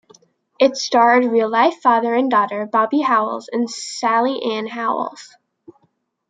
It starred real life father and daughter Bobby Howes and Sally Ann Howes.